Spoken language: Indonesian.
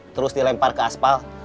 terus dilempar ke aspal